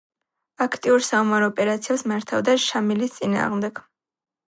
აქტიურ საომარ ოპერაციებს მართავდა შამილის წინააღმდეგ.